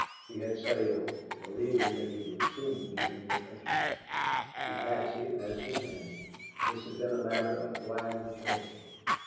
He had sailed, believing that he would soon be in the trenches. To Patsy, as to him, this had been a matter of glad rejoicing.